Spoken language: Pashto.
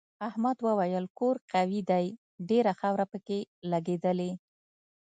احمد وویل کور قوي دی ډېره خاوره پکې لگېدلې.